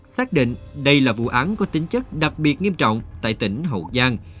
xác định đây là vụ án có tính chất đặc biệt nghiêm trọng tại tỉnh hậu giang